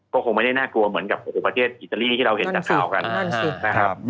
ก็คงไม่ได้น่ากลัวเหมือนกับประเทศอิตาลีที่เราเห็นจากข้าวกันนั่นสุดนั่นสุดนะครับ